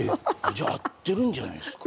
じゃあ会ってるんじゃないっすか。